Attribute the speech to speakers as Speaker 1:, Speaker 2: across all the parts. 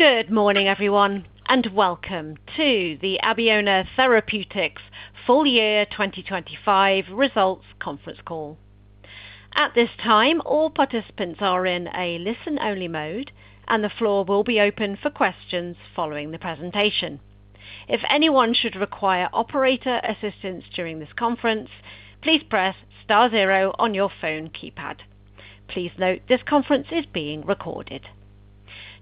Speaker 1: Good morning, everyone, and welcome to the Abeona Therapeutics full year 2025 results conference call. At this time, all participants are in a listen-only mode, and the floor will be open for questions following the presentation. If anyone should require operator assistance during this conference, please press star zero on your phone keypad. Please note this conference is being recorded.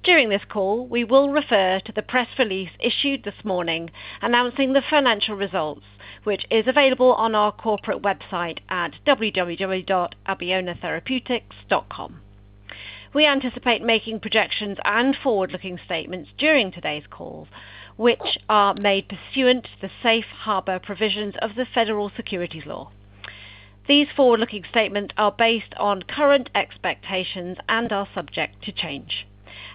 Speaker 1: During this call, we will refer to the press release issued this morning announcing the financial results, which is available on our corporate website at www.abeonatherapeutics.com. We anticipate making projections and forward-looking statements during today's call, which are made pursuant to the safe harbor provisions of the Federal Securities Law. These forward-looking statements are based on current expectations and are subject to change.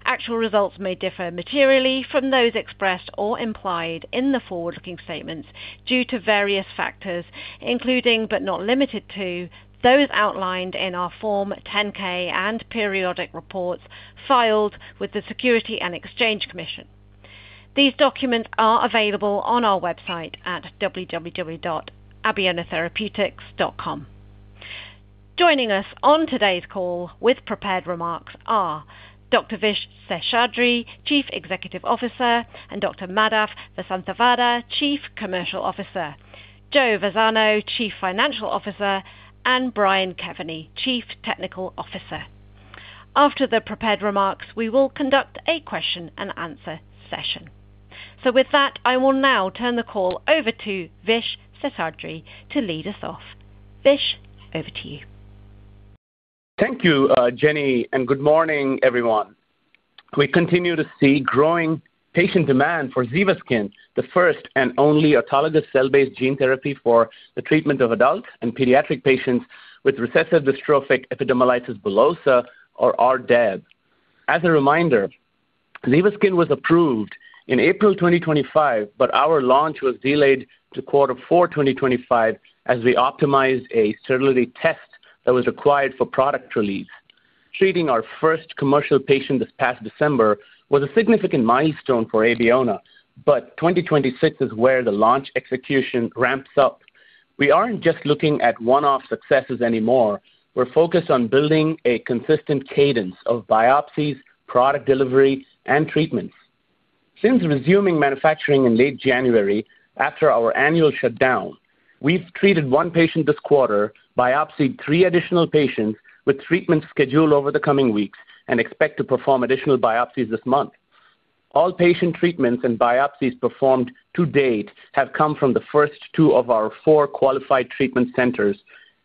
Speaker 1: Actual results may differ materially from those expressed or implied in the forward-looking statements due to various factors, including, but not limited to, those outlined in our Form 10-K and periodic reports filed with the Securities and Exchange Commission. These documents are available on our website at www.abeonatherapeutics.com. Joining us on today's call with prepared remarks are Dr. Vish Seshadri, Chief Executive Officer, and Dr. Madhav Vasanthavada, Chief Commercial Officer, Joe Vazzano, Chief Financial Officer, and Brian Kevany, Chief Technical Officer. After the prepared remarks, we will conduct a question-and-answer session. With that, I will now turn the call over to Vish Seshadri to lead us off. Vish, over to you.
Speaker 2: Thank you, Jenny, and good morning, everyone. We continue to see growing patient demand for ZEVASKYN, the first and only autologous cell-based gene therapy for the treatment of adults and pediatric patients with recessive dystrophic epidermolysis bullosa or RDEB. As a reminder, ZEVASKYN was approved in April 2025, but our launch was delayed to quarter four 2025 as we optimized a sterility test that was required for product release. Treating our first commercial patient this past December was a significant milestone for Abeona, 2026 is where the launch execution ramps up. We aren't just looking at one-off successes anymore. We're focused on building a consistent cadence of biopsies, product delivery, and treatments. Since resuming manufacturing in late January after our annual shutdown, we've treated one patient this quarter, biopsied three additional patients with treatments scheduled over the coming weeks and expect to perform additional biopsies this month. All patient treatments and biopsies performed to date have come from the first two of our four qualified treatment centers,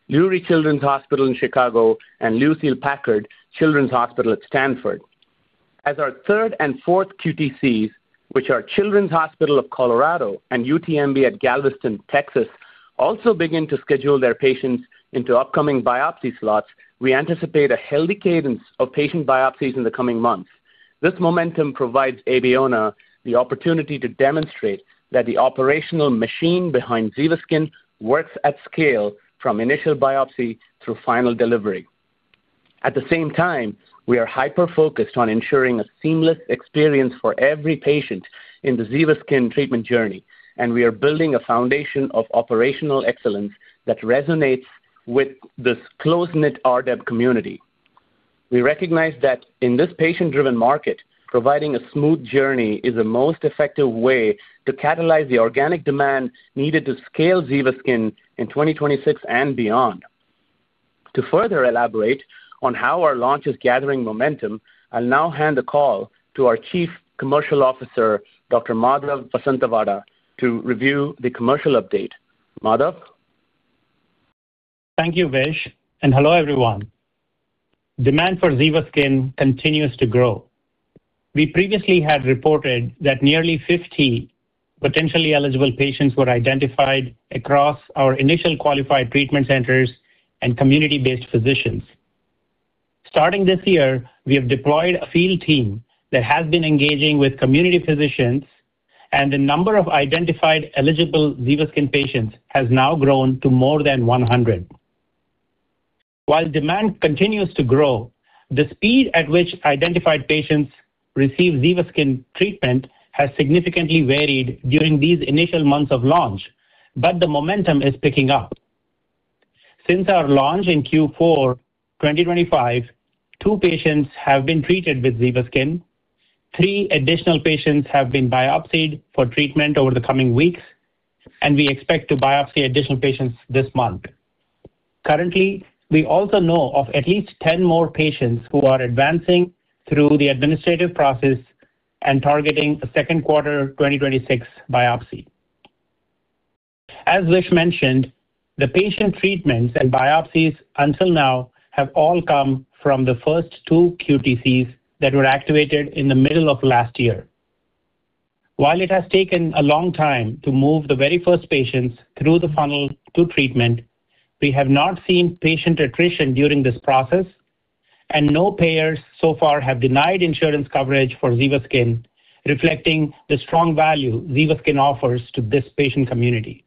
Speaker 2: Lurie Children's Hospital in Chicago and Lucile Packard Children's Hospital at Stanford. As our third and fourth QTCs, which are Children's Hospital of Colorado and UTMB at Galveston, Texas, also begin to schedule their patients into upcoming biopsy slots, we anticipate a healthy cadence of patient biopsies in the coming months. This momentum provides Abeona the opportunity to demonstrate that the operational machine behind ZEVASKYN works at scale from initial biopsy through final delivery. At the same time, we are hyper-focused on ensuring a seamless experience for every patient in the ZEVASKYN treatment journey, and we are building a foundation of operational excellence that resonates with this close-knit RDEB community. We recognize that in this patient-driven market, providing a smooth journey is the most effective way to catalyze the organic demand needed to scale ZEVASKYN in 2026 and beyond. To further elaborate on how our launch is gathering momentum, I'll now hand the call to our Chief Commercial Officer, Dr. Madhav Vasanthavada, to review the commercial update. Madhav.
Speaker 3: Thank you, Vish, and hello, everyone. Demand for ZEVASKYN continues to grow. We previously had reported that nearly 50 potentially eligible patients were identified across our initial qualified treatment centers and community-based physicians. Starting this year, we have deployed a field team that has been engaging with community physicians and the number of identified eligible ZEVASKYN patients has now grown to more than 100. While demand continues to grow, the speed at which identified patients receive ZEVASKYN treatment has significantly varied during these initial months of launch, but the momentum is picking up. Since our launch in Q4 2025, two patients have been treated with ZEVASKYN. three additional patients have been biopsied for treatment over the coming weeks, and we expect to biopsy additional patients this month. Currently, we also know of at least 10 more patients who are advancing through the administrative process and targeting a second quarter 2026 biopsy. As Vish mentioned, the patient treatments and biopsies until now have all come from the first two QTCs that were activated in the middle of last year. While it has taken a long time to move the very first patients through the funnel to treatment, we have not seen patient attrition during this process, and no payers so far have denied insurance coverage for ZEVASKYN, reflecting the strong value ZEVASKYN offers to this patient community.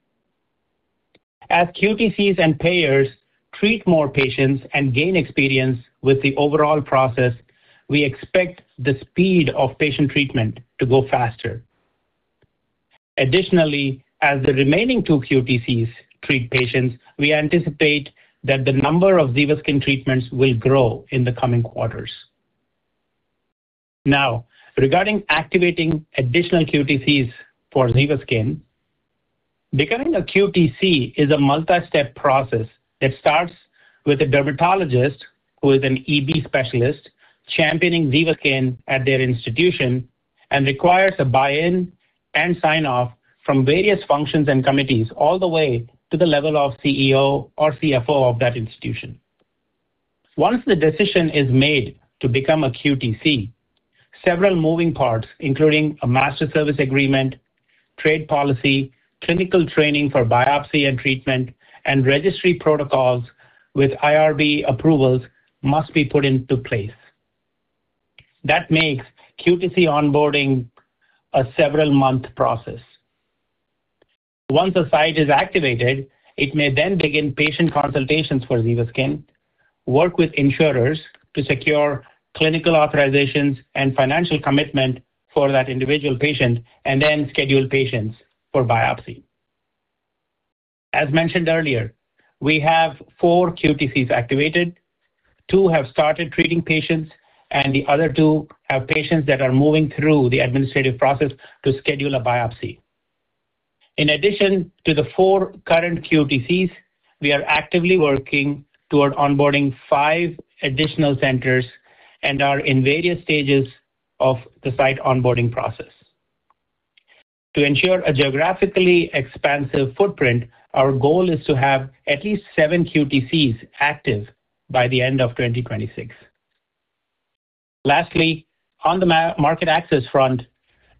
Speaker 3: As QTCs and payers treat more patients and gain experience with the overall process, we expect the speed of patient treatment to go faster. Additionally, as the remaining two QTCs treat patients, we anticipate that the number of ZEVASKYN treatments will grow in the coming quarters. Now, regarding activating additional QTCs for ZEVASKYN, becoming a QTC is a multi-step process that starts with a dermatologist who is an EB specialist championing ZEVASKYN at their institution and requires a buy-in and sign-off from various functions and committees all the way to the level of CEO or CFO of that institution. Once the decision is made to become a QTC, several moving parts, including a master service agreement, trade policy, clinical training for biopsy and treatment, and registry protocols with IRB approvals must be put into place. That makes QTC onboarding a several-month process. Once a site is activated, it may then begin patient consultations for ZEVASKYN, work with insurers to secure clinical authorizations and financial commitment for that individual patient, and then schedule patients for biopsy. As mentioned earlier, we have four QTCs activated. Two have started treating patients, and the other two have patients that are moving through the administrative process to schedule a biopsy. In addition to the four current QTCs, we are actively working toward onboarding five additional centers and are in various stages of the site onboarding process. To ensure a geographically expansive footprint, our goal is to have at least seven QTCs active by the end of 2026. Lastly, on the market access front,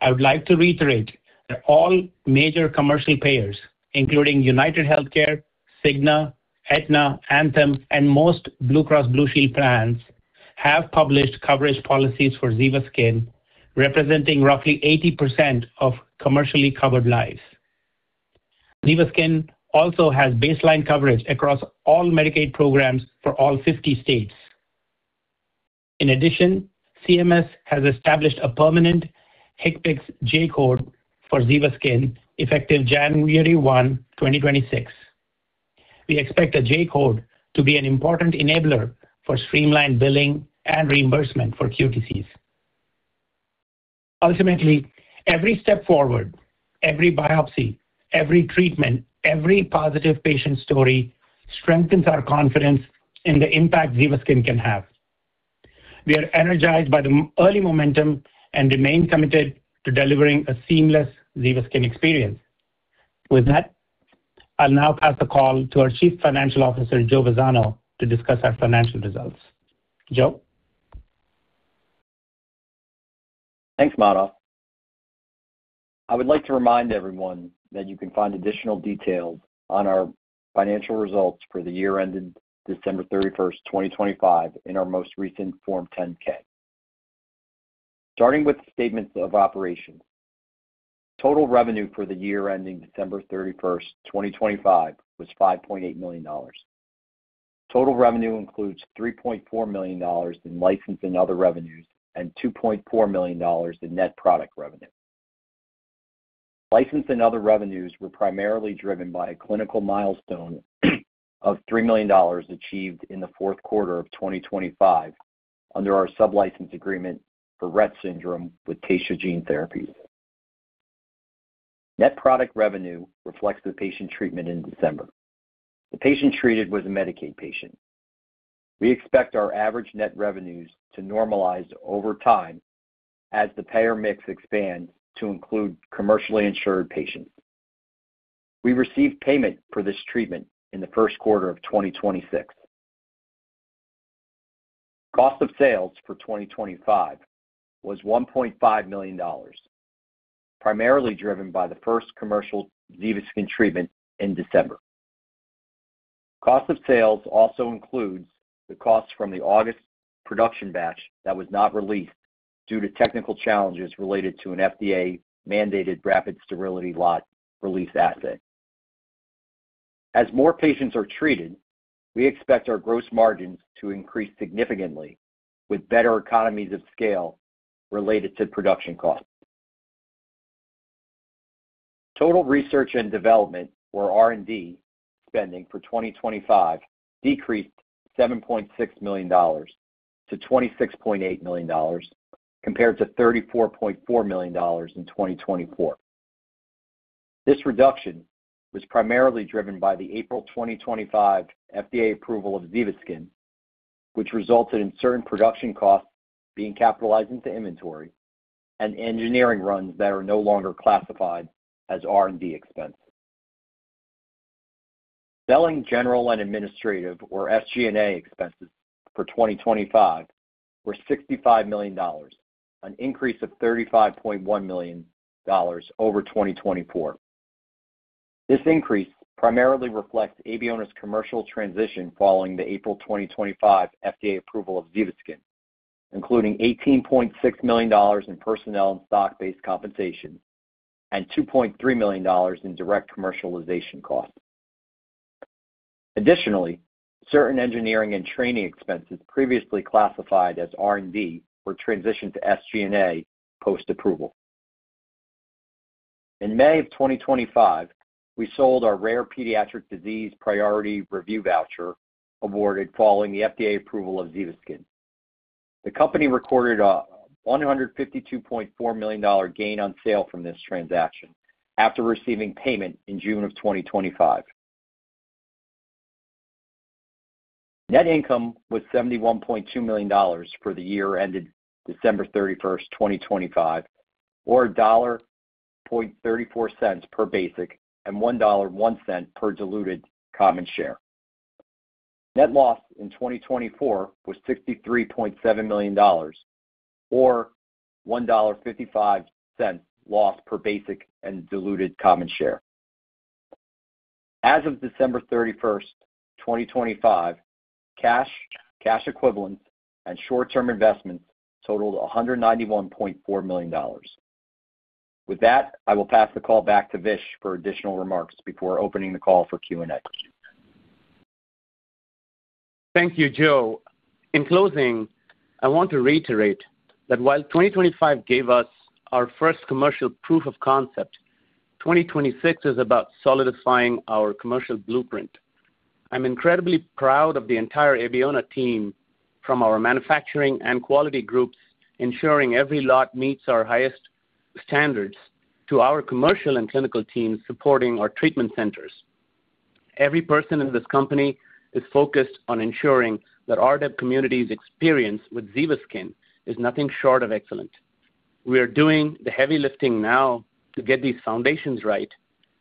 Speaker 3: I would like to reiterate that all major commercial payers, including UnitedHealthcare, Cigna, Aetna, Anthem, and most Blue Cross Blue Shield plans, have published coverage policies for ZEVASKYN, representing roughly 80% of commercially covered lives. ZEVASKYN also has baseline coverage across all Medicaid programs for all 50 states. In addition, CMS has established a permanent HCPCS J-code for ZEVASKYN effective January 1, 2026. We expect a J-code to be an important enabler for streamlined billing and reimbursement for QTCs. Ultimately, every step forward, every biopsy, every treatment, every positive patient story strengthens our confidence in the impact ZEVASKYN can have. We are energized by the early momentum and remain committed to delivering a seamless ZEVASKYN experience. With that, I'll now pass the call to our Chief Financial Officer, Joe Vazzano, to discuss our financial results. Joe?
Speaker 4: Thanks, Madhav. I would like to remind everyone that you can find additional details on our financial results for the year ending December 31st, 2025, in our most recent Form 10-K. Starting with statements of operations. Total revenue for the year ending December 31st, 2025, was $5.8 million. Total revenue includes $3.4 million in license and other revenues and $2.4 million in net product revenue. License and other revenues were primarily driven by a clinical milestone of $3 million achieved in the fourth quarter of 2025 under our sublicense agreement for Rett syndrome with Taysha Gene Therapies. Net product revenue reflects the patient treatment in December. The patient treated was a Medicaid patient. We expect our average net revenues to normalize over time as the payer mix expands to include commercially insured patients. We received payment for this treatment in the first quarter of 2026. Cost of sales for 2025 was $1.5 million, primarily driven by the first commercial ZEVASKYN treatment in December. Cost of sales also includes the costs from the August production batch that was not released due to technical challenges related to an FDA-mandated rapid sterility lot release assay. As more patients are treated, we expect our gross margins to increase significantly with better economies of scale related to production costs. Total research and development, or R&D, spending for 2025 decreased $7.6 million to $26.8 million compared to $34.4 million in 2024. This reduction was primarily driven by the April 2025 FDA approval of ZEVASKYN, which resulted in certain production costs being capitalized into inventory and engineering runs that are no longer classified as R&D expenses. Selling, general, and administrative, or SG&A, expenses for 2025 were $65 million, an increase of $35.1 million over 2024. This increase primarily reflects Abeona's commercial transition following the April 2025 FDA approval of ZEVASKYN. Including $18.6 million in personnel and stock-based compensation, and $2.3 million in direct commercialization costs. Additionally, certain engineering and training expenses previously classified as R&D were transitioned to SG&A post-approval. In May of 2025, we sold our rare pediatric disease priority review voucher awarded following the FDA approval of ZEVASKYN. The company recorded a $152.4 million gain on sale from this transaction after receiving payment in June 2025. Net income was $71.2 million for the year ended December 31st, 2025, or $0.34 per basic and $1.01 per diluted common share. Net loss in 2024 was $63.7 million or $1.55 loss per basic and diluted common share. As of December 31st, 2025, cash equivalents, and short-term investments totaled $191.4 million. With that, I will pass the call back to Vish for additional remarks before opening the call for Q&A.
Speaker 2: Thank you, Joe. In closing, I want to reiterate that while 2025 gave us our first commercial proof of concept, 2026 is about solidifying our commercial blueprint. I'm incredibly proud of the entire Abeona team from our manufacturing and quality groups, ensuring every lot meets our highest standards to our commercial and clinical teams supporting our treatment centers. Every person in this company is focused on ensuring that RDEB community's experience with ZEVASKYN is nothing short of excellent. We are doing the heavy lifting now to get these foundations right,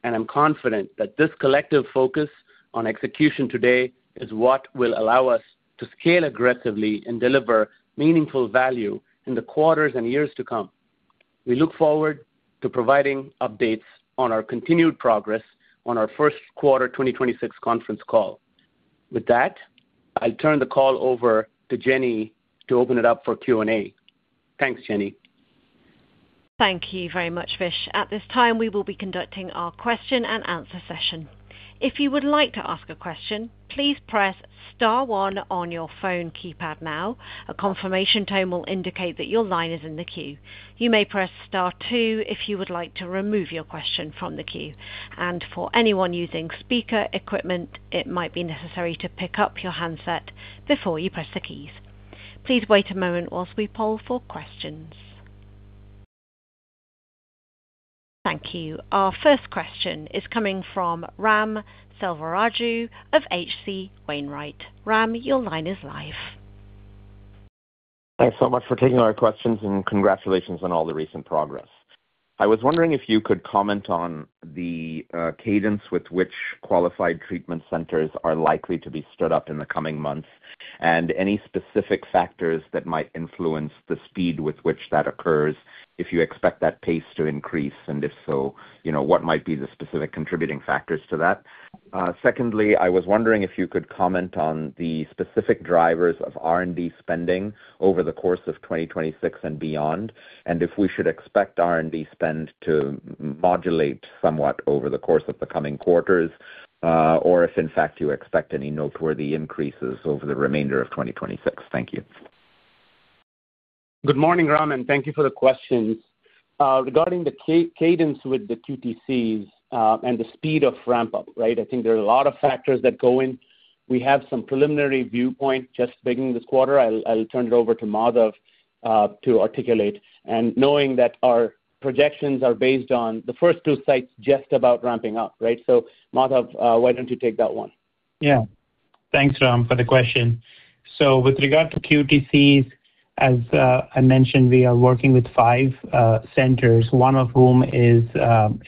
Speaker 2: and I'm confident that this collective focus on execution today is what will allow us to scale aggressively and deliver meaningful value in the quarters and years to come. We look forward to providing updates on our continued progress on our first quarter 2026 conference call. With that, I'll turn the call over to Jenny to open it up for Q&A. Thanks, Jenny.
Speaker 1: Thank you very much, Vish. At this time, we will be conducting our question and answer session. If you would like to ask a question, please press star one on your phone keypad now. A confirmation tone will indicate that your line is in the queue. You may press star two if you would like to remove your question from the queue. For anyone using speaker equipment, it might be necessary to pick up your handset before you press the keys. Please wait a moment while we poll for questions. Thank you. Our first question is coming from Ram Selvaraju of H.C. Wainwright. Ram, your line is live.
Speaker 5: Thanks so much for taking our questions and congratulations on all the recent progress. I was wondering if you could comment on the cadence with which qualified treatment centers are likely to be stood up in the coming months and any specific factors that might influence the speed with which that occurs, if you expect that pace to increase, and if so, you know, what might be the specific contributing factors to that. Secondly, I was wondering if you could comment on the specific drivers of R&D spending over the course of 2026 and beyond, and if we should expect R&D spend to modulate somewhat over the course of the coming quarters, or if in fact you expect any noteworthy increases over the remainder of 2026. Thank you.
Speaker 2: Good morning, Ram, and thank you for the questions. Regarding the cadence with the QTCs, and the speed of ramp up, right? I think there are a lot of factors that go in. We have some preliminary viewpoint just beginning this quarter. I'll turn it over to Madhav to articulate. Knowing that our projections are based on the first two sites just about ramping up, right? Madhav, why don't you take that one?
Speaker 3: Yeah. Thanks, Ram, for the question. With regard to QTCs, as I mentioned, we are working with five centers, one of whom is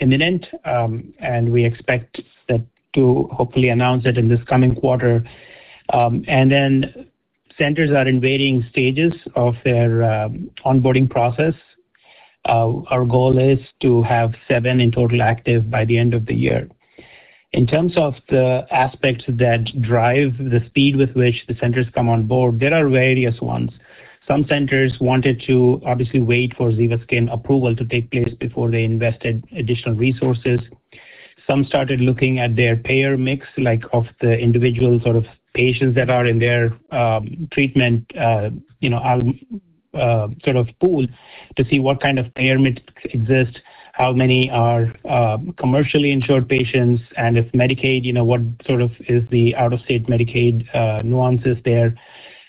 Speaker 3: imminent, and we expect that to hopefully announce it in this coming quarter. Centers are in varying stages of their onboarding process. Our goal is to have seven in total active by the end of the year. In terms of the aspects that drive the speed with which the centers come on board, there are various ones. Some centers wanted to obviously wait for ZEVASKYN approval to take place before they invested additional resources. Some started looking at their payer mix, like of the individual sort of patients that are in their, treatment, you know, sort of pool to see what kind of payer mix exists, how many are, commercially insured patients, and if Medicaid, you know, what sort of is the out-of-state Medicaid, nuances there.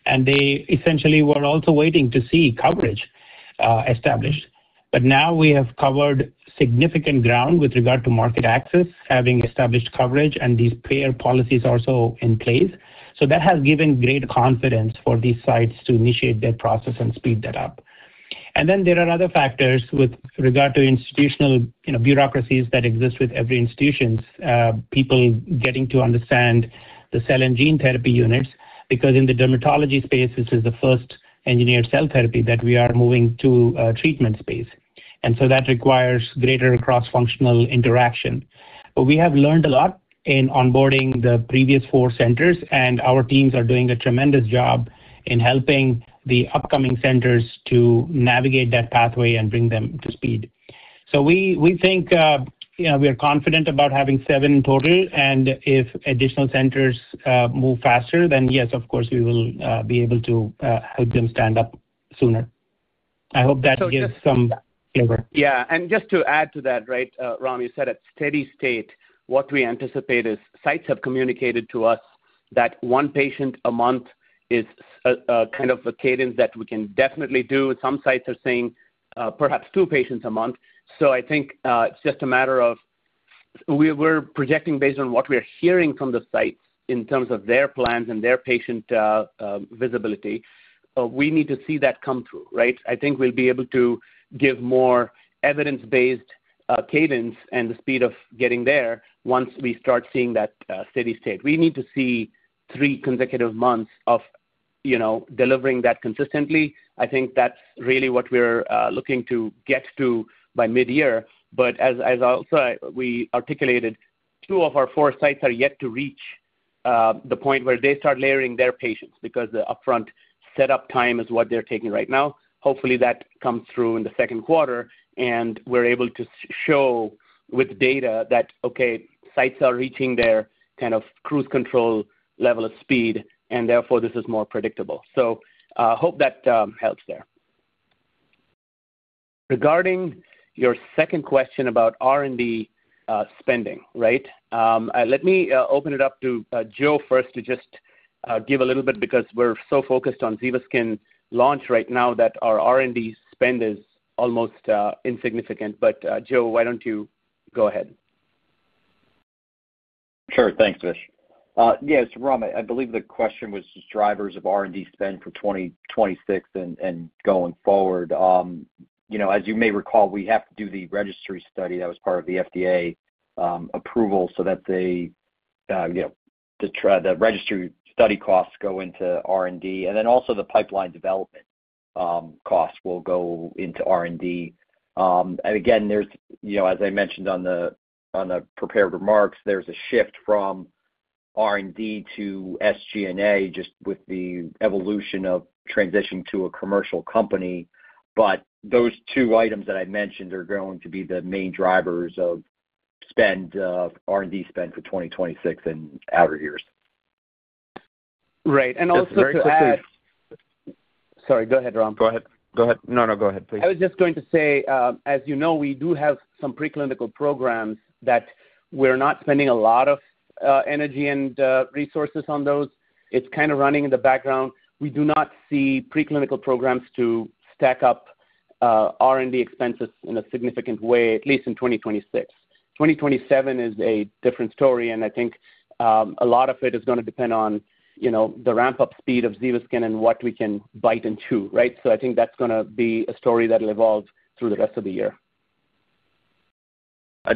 Speaker 3: They essentially were also waiting to see coverage, established. Now we have covered significant ground with regard to market access, having established coverage and these payer policies also in place. That has given great confidence for these sites to initiate that process and speed that up. Then there are other factors with regard to institutional, you know, bureaucracies that exist with every institution. People getting to understand the cell and gene therapy units, because in the dermatology space, this is the first engineered cell therapy that we are moving to a treatment space. That requires greater cross-functional interaction. We have learned a lot in onboarding the previous four centers, and our teams are doing a tremendous job in helping the upcoming centers to navigate that pathway and bring them to speed. We think we are confident about having seven total, and if additional centers move faster, then yes, of course, we will be able to help them stand up sooner. I hope that gives some flavor.
Speaker 2: Yeah. Just to add to that, right, Ram, you said at steady state, what we anticipate is sites have communicated to us that one patient a month is a kind of cadence that we can definitely do. Some sites are saying perhaps two patients a month. I think it's just a matter of we're projecting based on what we are hearing from the sites in terms of their plans and their patient visibility. We need to see that come through, right? I think we'll be able to give more evidence-based cadence and the speed of getting there once we start seeing that steady state. We need to see three consecutive months of, you know, delivering that consistently. I think that's really what we're looking to get to by midyear. As we also articulated, two of our four sites are yet to reach the point where they start layering their patients because the upfront setup time is what they're taking right now. Hopefully, that comes through in the second quarter, and we're able to show with data that, okay, sites are reaching their kind of cruise control level of speed, and therefore this is more predictable. Hope that helps there. Regarding your second question about R&D spending, right? Let me open it up to Joe first to just give a little bit because we're so focused on ZEVASKYN launch right now that our R&D spend is almost insignificant. Joe, why don't you go ahead.
Speaker 4: Sure. Thanks, Vish. Yes, Ram, I believe the question was just drivers of R&D spend for 2026 and going forward. You know, as you may recall, we have to do the registry study that was part of the FDA approval so that they, you know, the registry study costs go into R&D, and then also the pipeline development costs will go into R&D. Again, there's, you know, as I mentioned on the prepared remarks, there's a shift from R&D to SG&A just with the evolution of transitioning to a commercial company. Those two items that I mentioned are going to be the main drivers of spend, R&D spend for 2026 and outer years.
Speaker 2: Right. Also to add.
Speaker 5: Just very quickly.
Speaker 2: Sorry. Go ahead, Ram.
Speaker 5: Go ahead. No, go ahead, please.
Speaker 2: I was just going to say, as you know, we do have some preclinical programs that we're not spending a lot of, energy and, resources on those. It's kinda running in the background. We do not see preclinical programs to stack up, R&D expenses in a significant way, at least in 2026. 2027 is a different story, and I think, a lot of it is gonna depend on, you know, the ramp-up speed of ZEVASKYN and what we can bite into, right? I think that's gonna be a story that'll evolve through the rest of the year.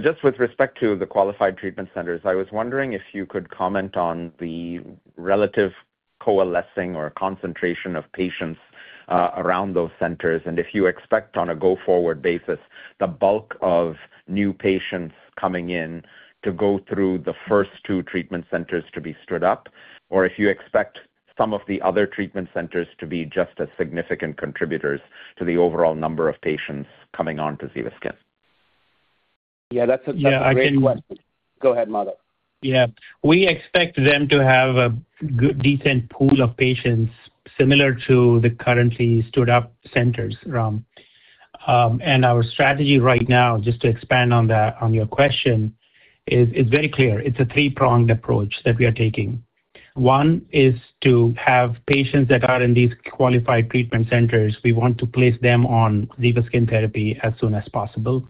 Speaker 5: Just with respect to the qualified treatment centers, I was wondering if you could comment on the relative coalescing or concentration of patients around those centers, and if you expect on a go-forward basis the bulk of new patients coming in to go through the first two treatment centers to be stood up, or if you expect some of the other treatment centers to be just as significant contributors to the overall number of patients coming on to ZEVASKYN.
Speaker 2: Yeah, that's a great question.
Speaker 3: Yeah, I can.
Speaker 2: Go ahead, Madhav.
Speaker 3: Yeah. We expect them to have a decent pool of patients similar to the currently stood up centers, Ram. Our strategy right now, just to expand on that, on your question is very clear. It's a three-pronged approach that we are taking. One is to have patients that are in these qualified treatment centers. We want to place them on ZEVASKYN therapy as soon as possible.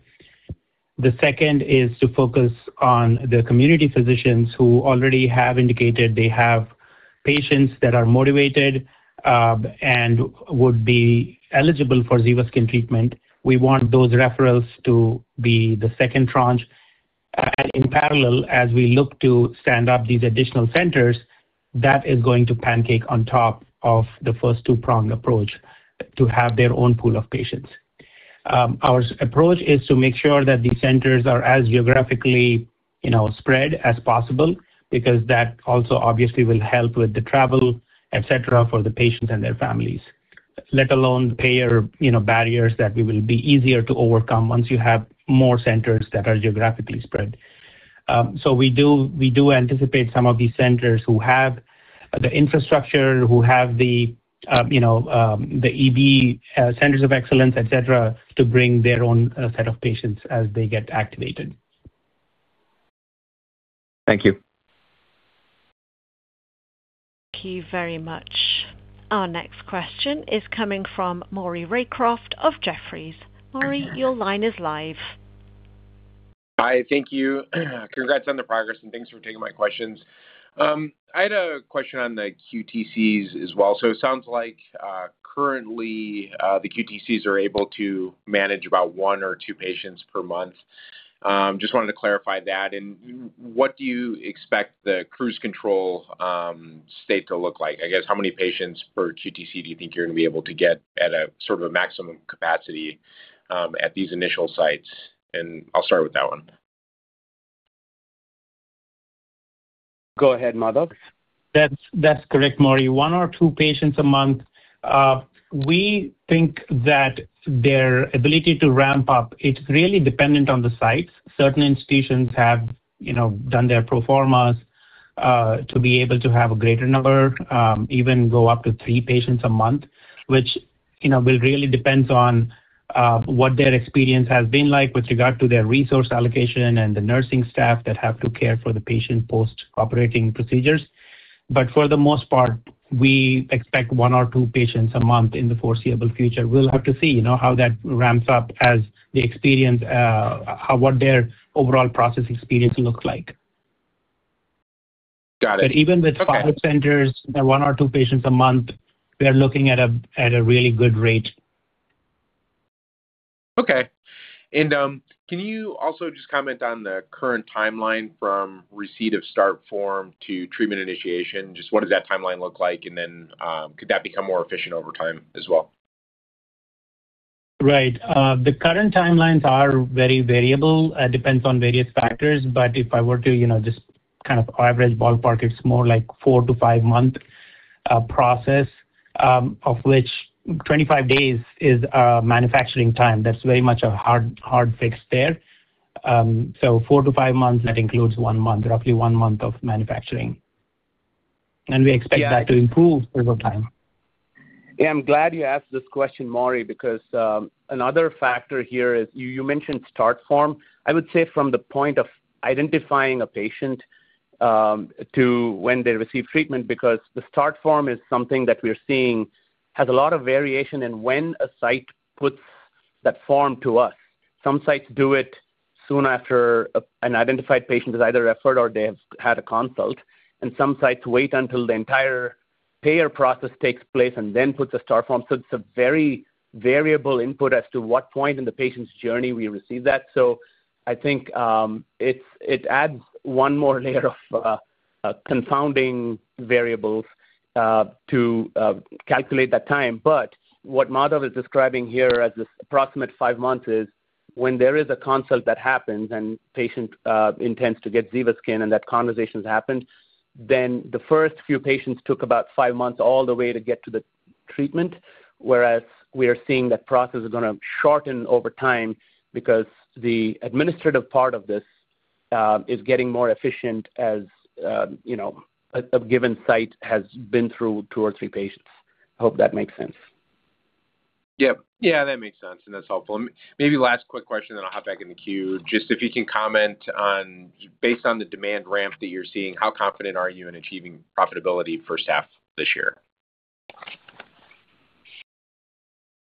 Speaker 3: The second is to focus on the community physicians who already have indicated they have patients that are motivated and would be eligible for ZEVASKYN treatment. We want those referrals to be the second tranche. In parallel, as we look to stand up these additional centers, that is going to pancake on top of the first two-pronged approach to have their own pool of patients. Our approach is to make sure that these centers are as geographically, you know, spread as possible because that also obviously will help with the travel, etc., for the patients and their families. Let alone payer, you know, barriers that we will be easier to overcome once you have more centers that are geographically spread. So we do anticipate some of these centers who have the infrastructure, who have the, you know, the EB centers of excellence, etc., to bring their own set of patients as they get activated.
Speaker 5: Thank you.
Speaker 1: Thank you very much. Our next question is coming from Maury Raycroft of Jefferies. Maury, your line is live.
Speaker 6: Hi. Thank you. Congrats on the progress, and thanks for taking my questions. I had a question on the QTCs as well. It sounds like currently the QTCs are able to manage about one or two patients per month. Just wanted to clarify that. What do you expect the cruise control state to look like? I guess how many patients per QTC do you think you're gonna be able to get at a sort of a maximum capacity at these initial sites? I'll start with that one.
Speaker 2: Go ahead, Madhav.
Speaker 3: That's correct, Maury. One or two patients a month. We think that their ability to ramp up, it's really dependent on the sites. Certain institutions have, you know, done their pro formas to be able to have a greater number, even go up to three patients a month, which, you know, will really depends on what their experience has been like with regard to their resource allocation and the nursing staff that have to care for the patient post operating procedures. For the most part, we expect one or two patients a month in the foreseeable future. We'll have to see, you know, how that ramps up as the experience, what their overall process experience looks like.
Speaker 6: Got it. Okay.
Speaker 3: Even with pilot centers, one or two patients a month, we are looking at a really good rate.
Speaker 6: Can you also just comment on the current timeline from receipt of start form to treatment initiation? Just what does that timeline look like? Could that become more efficient over time as well?
Speaker 3: Right. The current timelines are very variable. It depends on various factors. If I were to, you know, just kind of average ballpark, it's more like four to five month process, of which 25 days is manufacturing time. That's very much a hard fix there. Four to five months, that includes one month, roughly one month of manufacturing. We expect that to improve over time.
Speaker 2: Yeah, I'm glad you asked this question, Maury, because another factor here is you mentioned start form. I would say from the point of identifying a patient to when they receive treatment, because the start form is something that we are seeing has a lot of variation in when a site puts that form to us. Some sites do it soon after an identified patient is either referred or they have had a consult, and some sites wait until the entire payer process takes place and then puts a start form. So it's a very variable input as to what point in the patient's journey we receive that. So I think it adds one more layer of confounding variables to calculate that time. What Madhav is describing here as this approximate five months is when there is a consult that happens and patient intends to get ZEVASKYN and that conversation's happened, then the first few patients took about five months all the way to get to the treatment, whereas we are seeing that process is gonna shorten over time because the administrative part of this is getting more efficient as you know a given site has been through two or three patients. I hope that makes sense.
Speaker 6: Yep. Yeah, that makes sense, and that's helpful. Maybe last quick question, then I'll hop back in the queue. Just if you can comment on, based on the demand ramp that you're seeing, how confident are you in achieving profitability first half this year?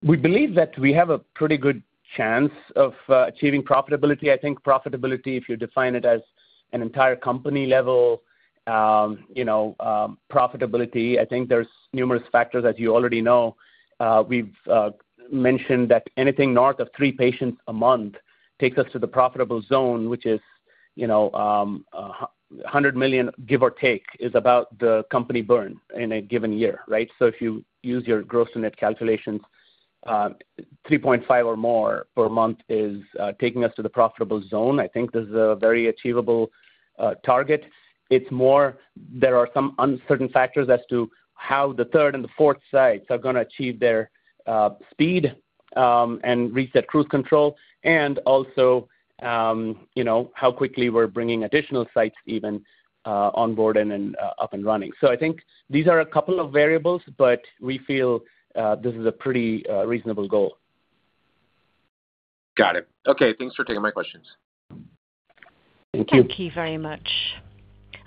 Speaker 2: We believe that we have a pretty good chance of achieving profitability. I think profitability, if you define it as an entire company level, you know, profitability, I think there's numerous factors, as you already know. We've mentioned that anything north of three patients a month takes us to the profitable zone, which is, you know, $100 million, give or take, is about the company burn in a given year, right? If you use your gross and net calculations, $3.5 million or more per month is taking us to the profitable zone. I think this is a very achievable target. It's more there are some uncertain factors as to how the third and the fourth sites are gonna achieve their speed and reach that cruise control and also you know how quickly we're bringing additional sites even on board and then up and running. I think these are a couple of variables, but we feel this is a pretty reasonable goal.
Speaker 6: Got it. Okay. Thanks for taking my questions.
Speaker 2: Thank you.
Speaker 1: Thank you very much.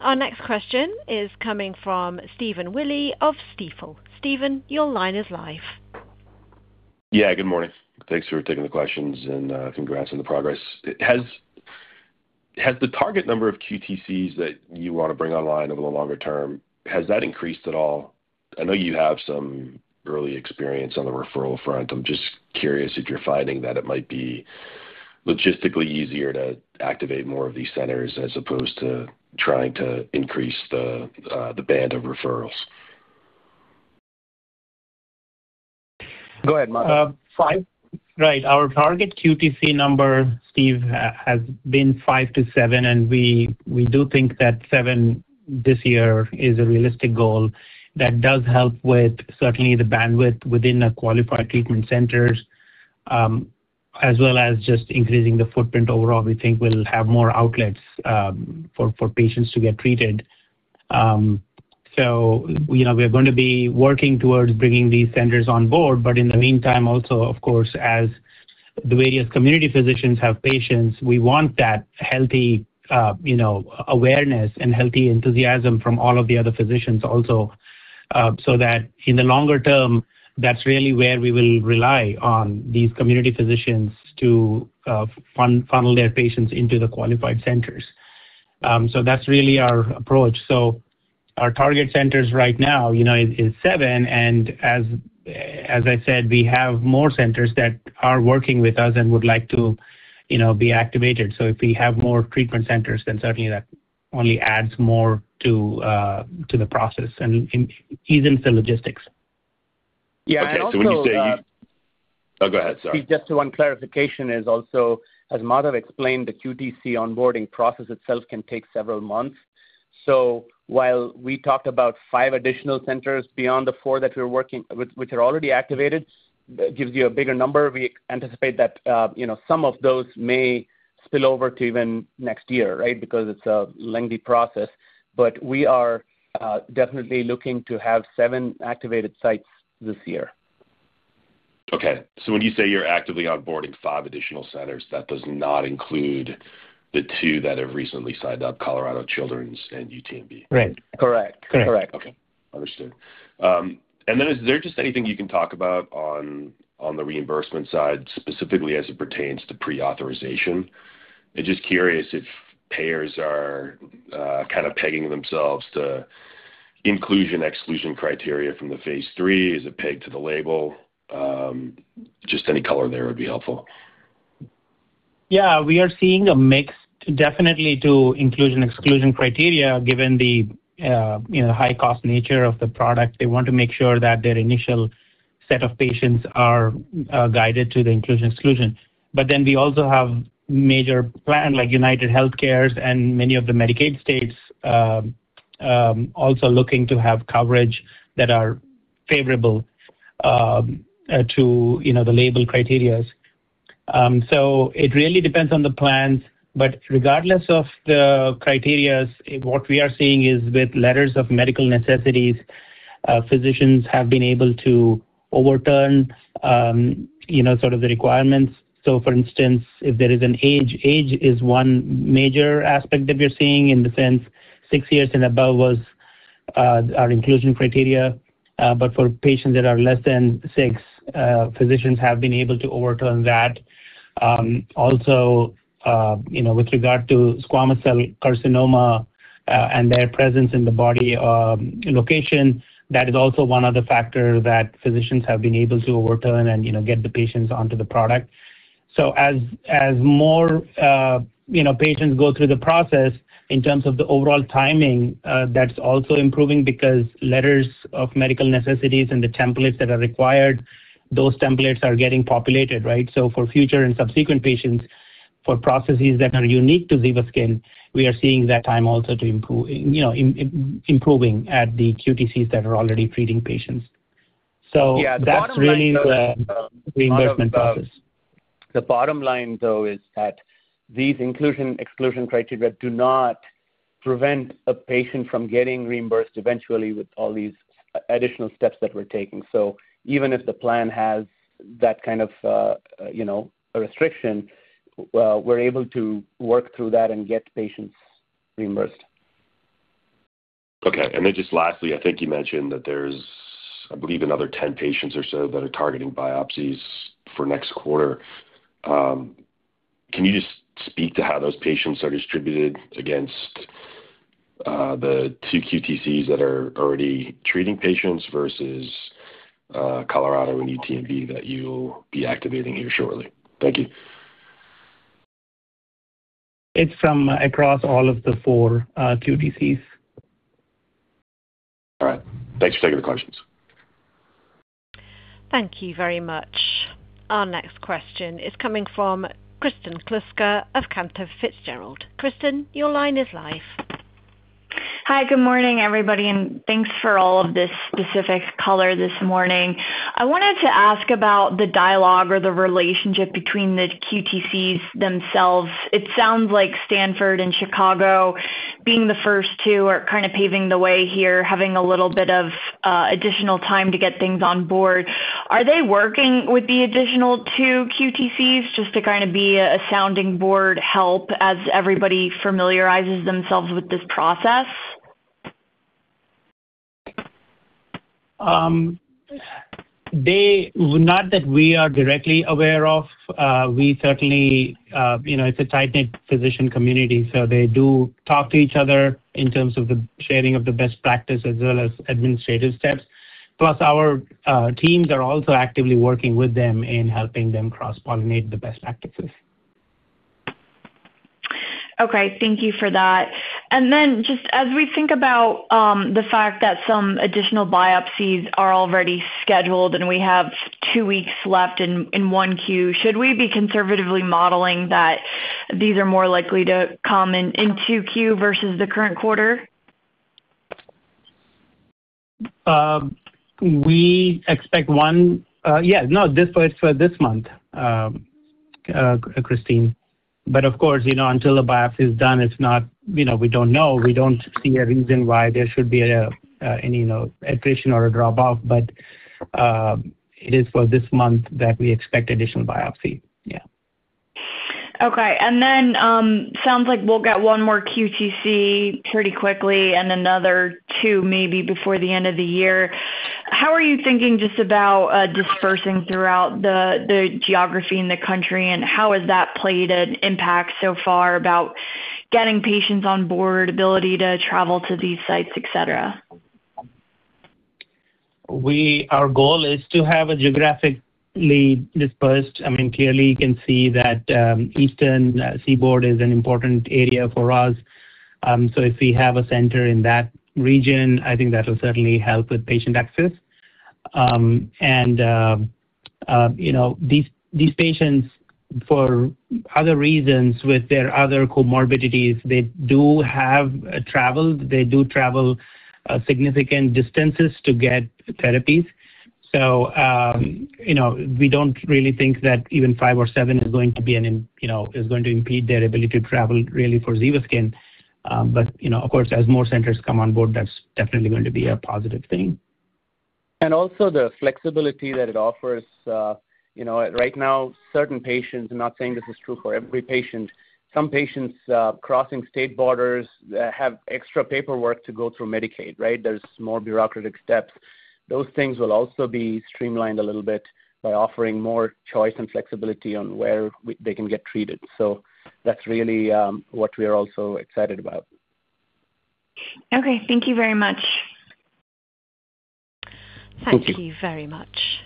Speaker 1: Our next question is coming from Stephen Willey of Stifel. Stephen, your line is live.
Speaker 7: Yeah, good morning. Thanks for taking the questions and congrats on the progress. Has the target number of QTCs that you wanna bring online over the longer term, has that increased at all? I know you have some early experience on the referral front. I'm just curious if you're finding that it might be logistically easier to activate more of these centers as opposed to trying to increase the band of referrals.
Speaker 2: Go ahead, Madhav.
Speaker 3: Five. Right. Our target QTC number, Stephen, has been five to seven, and we do think that seven this year is a realistic goal that does help with certainly the bandwidth within the qualified treatment centers, as well as just increasing the footprint overall. We think we'll have more outlets for patients to get treated. You know, we're gonna be working towards bringing these centers on board. In the meantime, also, of course, as the various community physicians have patients, we want that healthy, you know, awareness and healthy enthusiasm from all of the other physicians also, that in the longer term, that's really where we will rely on these community physicians to funnel their patients into the qualified centers. That's really our approach. Our target centers right now, you know, is seven. As I said, we have more centers that are working with us and would like to, you know, be activated. If we have more treatment centers, then certainly that only adds more to the process and eases the logistics.
Speaker 2: Yeah. Also,
Speaker 7: Oh, go ahead. Sorry.
Speaker 2: Just one clarification is also, as Madhav explained, the QTC onboarding process itself can take several months. While we talked about five additional centers beyond the four that we're working with, which are already activated, gives you a bigger number. We anticipate that, you know, some of those may spill over to even next year, right? Because it's a lengthy process. We are definitely looking to have seven activated sites this year.
Speaker 7: Okay. When you say you're actively onboarding five additional centers, that does not include the two that have recently signed up, Children's Hospital Colorado and University of Texas Medical Branch.
Speaker 3: Right.
Speaker 2: Correct.
Speaker 3: Correct.
Speaker 2: Correct.
Speaker 7: Okay. Understood. Is there just anything you can talk about on the reimbursement side, specifically as it pertains to pre-authorization? I'm just curious if payers are kind of pegging themselves to inclusion, exclusion criteria from the phase III. Is it pegged to the label? Just any color there would be helpful.
Speaker 3: Yeah. We are seeing a mix definitely to inclusion, exclusion criteria, given the, you know, high cost nature of the product. They want to make sure that their initial set of patients are guided to the inclusion, exclusion. We also have major plan like UnitedHealthcare and many of the Medicaid states also looking to have coverage that are favorable to, you know, the label criteria. It really depends on the plans, but regardless of the criteria, what we are seeing is with letters of medical necessity, physicians have been able to overturn, you know, sort of the requirements. For instance, if there is an age is one major aspect that we're seeing in the sense six years and above was our inclusion criteria. For patients that are less than six, physicians have been able to overturn that. Also, you know, with regard to squamous cell carcinoma, and their presence in the body, location, that is also one of the factor that physicians have been able to overturn and, you know, get the patients onto the product. As more, you know, patients go through the process in terms of the overall timing, that's also improving because letters of medical necessities and the templates that are required, those templates are getting populated, right? For future and subsequent patients, for processes that are unique to ZEVASKYN, we are seeing that time also to improve, you know, improving at the QTCs that are already treating patients. That's really the-
Speaker 2: Yeah. The bottom line, though, is, Madhav,
Speaker 3: reimbursement process.
Speaker 2: The bottom line, though, is that these inclusion, exclusion criteria do not prevent a patient from getting reimbursed eventually with all these additional steps that we're taking. Even if the plan has that kind of a restriction, we're able to work through that and get patients reimbursed.
Speaker 7: Okay. Then just lastly, I think you mentioned that there's, I believe, another 10 patients or so that are targeting biopsies for next quarter. Can you just speak to how those patients are distributed against the two QTCs that are already treating patients versus Colorado and UTMB that you'll be activating here shortly? Thank you.
Speaker 3: It's from across all of the four QTCs.
Speaker 7: All right. Thanks for taking the questions.
Speaker 1: Thank you very much. Our next question is coming from Kristen Kluska of Cantor Fitzgerald. Kristen, your line is live.
Speaker 8: Hi. Good morning, everybody, and thanks for all of this specific color this morning. I wanted to ask about the dialogue or the relationship between the QTCs themselves. It sounds like Stanford and Chicago being the first two are kind of paving the way here, having a little bit of additional time to get things on board. Are they working with the additional two QTCs just to kind of be a sounding board help as everybody familiarizes themselves with this process?
Speaker 3: Not that we are directly aware of. We certainly, you know, it's a tight-knit physician community, so they do talk to each other in terms of the sharing of the best practice as well as administrative steps. Plus, our teams are also actively working with them in helping them cross-pollinate the best practices.
Speaker 8: Okay. Thank you for that. Just as we think about the fact that some additional biopsies are already scheduled and we have two weeks left in 1Q, should we be conservatively modeling that these are more likely to come in in 2Q versus the current quarter?
Speaker 3: We expect this for this month, Kristen. Of course, you know, until the biopsy is done, it's not, you know, we don't know. We don't see a reason why there should be any, you know, attrition or a drop off, but it is for this month that we expect additional biopsy.
Speaker 8: Okay. Sounds like we'll get one more QTC pretty quickly and another two maybe before the end of the year. How are you thinking just about dispersing throughout the geography in the country, and how has that played an impact so far about getting patients on board, ability to travel to these sites, et cetera?
Speaker 3: Our goal is to have a geographically dispersed. I mean, clearly you can see that, eastern seaboard is an important area for us. If we have a center in that region, I think that will certainly help with patient access. You know, these patients, for other reasons, with their other comorbidities, they do travel significant distances to get therapies. You know, we don't really think that even five or seven is going to impede their ability to travel really for ZEVASKYN. Of course, as more centers come on board, that's definitely going to be a positive thing.
Speaker 2: Also the flexibility that it offers. You know, right now, certain patients, I'm not saying this is true for every patient. Some patients, crossing state borders, have extra paperwork to go through Medicaid, right? There's more bureaucratic steps. Those things will also be streamlined a little bit by offering more choice and flexibility on where they can get treated. That's really what we are also excited about.
Speaker 8: Okay, thank you very much.
Speaker 3: Thank you.
Speaker 1: Thank you very much.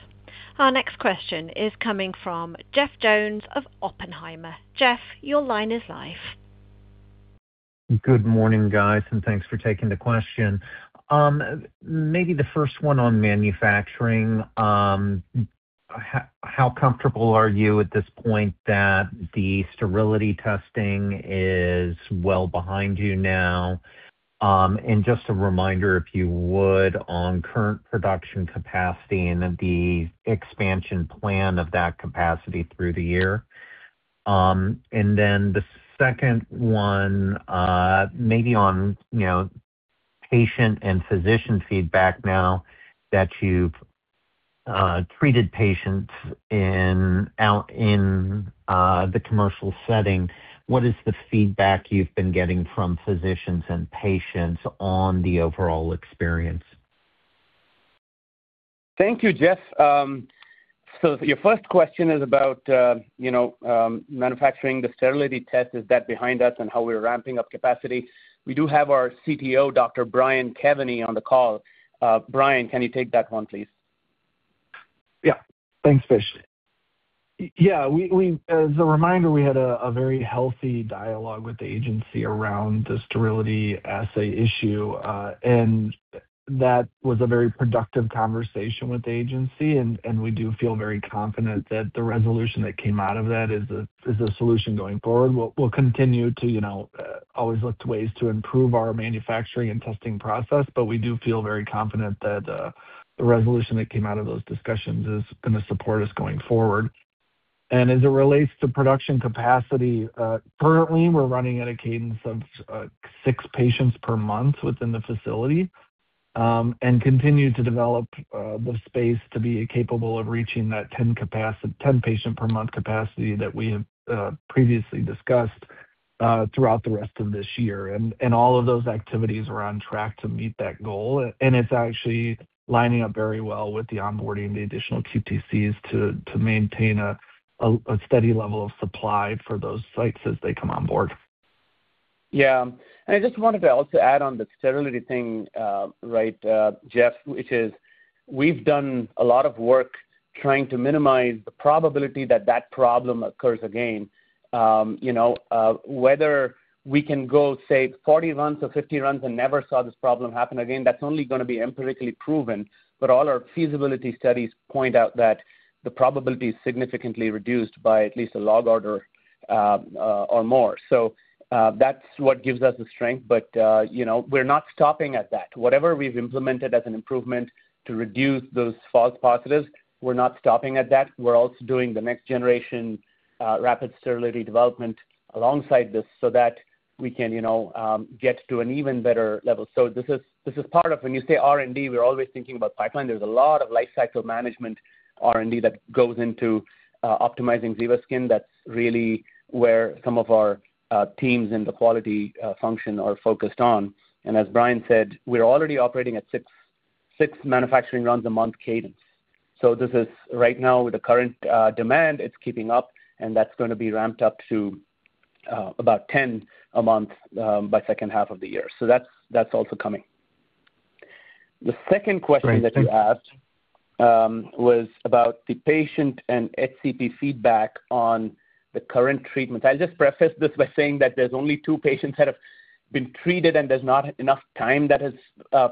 Speaker 1: Our next question is coming from Jeff Jones of Oppenheimer. Jeff, your line is live.
Speaker 9: Good morning, guys, and thanks for taking the question. Maybe the first one on manufacturing. How comfortable are you at this point that the sterility testing is well behind you now? And just a reminder, if you would, on current production capacity and the expansion plan of that capacity through the year. And then the second one, maybe on, you know, patient and physician feedback now that you've treated patients out in the commercial setting. What is the feedback you've been getting from physicians and patients on the overall experience?
Speaker 2: Thank you, Jeff. Your first question is about manufacturing the sterility test, is that behind us and how we're ramping up capacity. We do have our CTO, Dr. Brian Kevany, on the call. Brian, can you take that one, please?
Speaker 10: Yeah. Thanks, Vish. Yeah, we as a reminder had a very healthy dialogue with the agency around the sterility assay issue, and that was a very productive conversation with the agency. We do feel very confident that the resolution that came out of that is a solution going forward. We'll continue to you know always look to ways to improve our manufacturing and testing process, but we do feel very confident that the resolution that came out of those discussions is gonna support us going forward. As it relates to production capacity, currently we're running at a cadence of six patients per month within the facility and continue to develop the space to be capable of reaching that 10-patient-per-month capacity that we have previously discussed throughout the rest of this year. All of those activities are on track to meet that goal. It's actually lining up very well with the onboarding the additional QTCs to maintain a steady level of supply for those sites as they come on board.
Speaker 2: Yeah. I just wanted to also add on the sterility thing, right, Jeff, which is we've done a lot of work trying to minimize the probability that that problem occurs again. You know, whether we can go, say, 40 runs or 50 runs and never saw this problem happen again, that's only gonna be empirically proven. But all our feasibility studies point out that the probability is significantly reduced by at least a log order, or more. So, that's what gives us the strength. But, you know, we're not stopping at that. Whatever we've implemented as an improvement to reduce those false positives, we're not stopping at that. We're also doing the next generation, rapid sterility development alongside this so that we can, you know, get to an even better level. This is part of when you say R&D, we're always thinking about pipeline. There's a lot of lifecycle management R&D that goes into optimizing ZEVASKYN. That's really where some of our teams in the quality function are focused on. As Brian said, we're already operating at six manufacturing runs a month cadence. This is right now with the current demand, it's keeping up, and that's gonna be ramped up to about 10 a month by second half of the year. That's also coming. The second question-
Speaker 9: Great. Thank you.
Speaker 2: That you asked was about the patient and HCP feedback on the current treatment. I'll just preface this by saying that there's only two patients that have been treated, and there's not enough time that has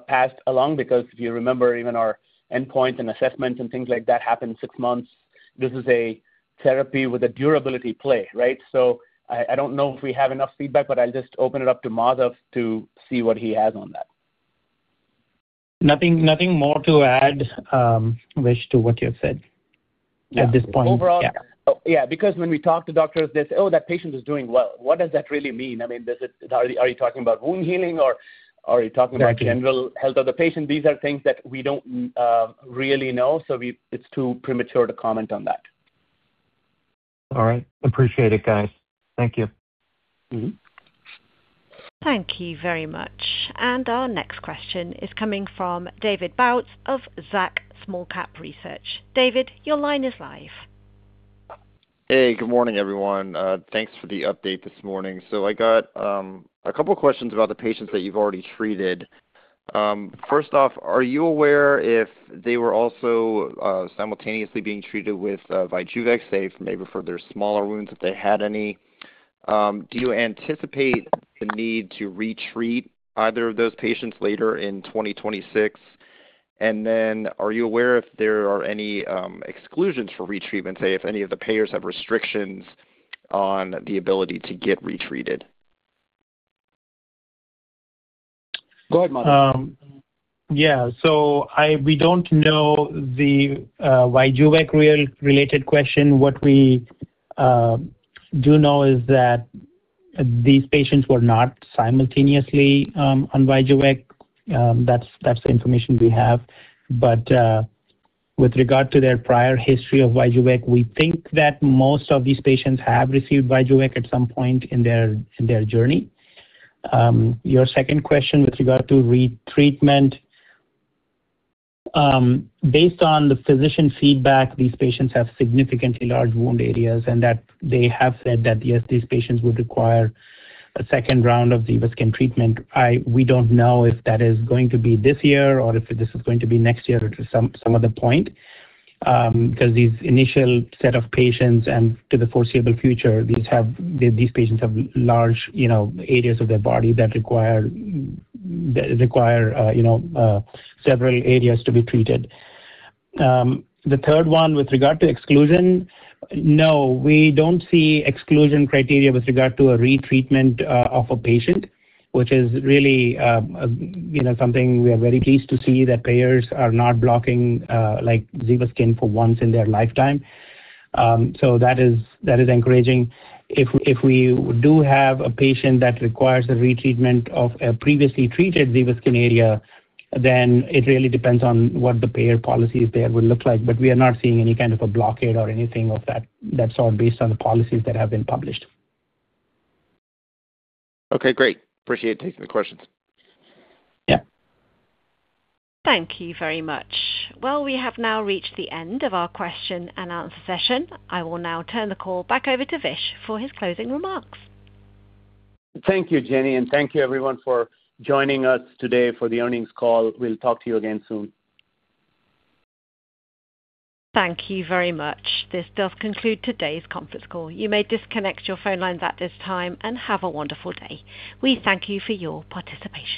Speaker 2: passed along because if you remember even our endpoint and assessments and things like that happen six months. This is a therapy with a durability play, right? I don't know if we have enough feedback, but I'll just open it up to Madhav to see what he has on that.
Speaker 3: Nothing more to add, Vish, to what you have said.
Speaker 2: Yeah.
Speaker 3: At this point. Yeah.
Speaker 2: Yeah, because when we talk to doctors, they say, "Oh, that patient is doing well." What does that really mean? I mean, are you talking about wound healing or are you talking about-
Speaker 3: Exactly.
Speaker 2: General health of the patient? These are things that we don't really know, so it's too premature to comment on that.
Speaker 9: All right. Appreciate it, guys. Thank you.
Speaker 1: Thank you very much. Our next question is coming from David Bautz of Zacks Small-Cap Research. David, your line is live.
Speaker 11: Hey, good morning, everyone. Thanks for the update this morning. I got a couple questions about the patients that you've already treated. First off, are you aware if they were also simultaneously being treated with VYJUVEK say, maybe for their smaller wounds, if they had any? Do you anticipate the need to retreat either of those patients later in 2026? And then are you aware if there are any exclusions for retreatment, say if any of the payers have restrictions on the ability to get retreated?
Speaker 2: Go ahead, Madhav.
Speaker 3: We don't know the VYJUVEK related question. What we do know is that these patients were not simultaneously on VYJUVEK. That's the information we have. With regard to their prior history of VYJUVEK, we think that most of these patients have received VYJUVEK at some point in their journey. Your second question with regard to retreatment. Based on the physician feedback, these patients have significantly large wound areas and that they have said that, yes, these patients would require a second round of ZEVASKYN treatment. We don't know if that is going to be this year or if this is going to be next year or some other point, 'cause these initial set of patients and to the foreseeable future, these patients have large, you know, areas of their body that require, you know, several areas to be treated. The third one with regard to exclusion. No, we don't see exclusion criteria with regard to a retreatment of a patient, which is really, you know, something we are very pleased to see that payers are not blocking, like ZEVASKYN for once in their lifetime. So that is encouraging. If we do have a patient that requires a retreatment of a previously treated ZEVASKYN area, then it really depends on what the payer policy there will look like. We are not seeing any kind of a blockade or anything of that. That's all based on the policies that have been published.
Speaker 11: Okay, great. Appreciate taking the questions.
Speaker 3: Yeah.
Speaker 1: Thank you very much. Well, we have now reached the end of our question and answer session. I will now turn the call back over to Vish for his closing remarks.
Speaker 2: Thank you, Jenny. Thank you everyone for joining us today for the earnings call. We'll talk to you again soon.
Speaker 1: Thank you very much. This does conclude today's conference call. You may disconnect your phone lines at this time and have a wonderful day. We thank you for your participation.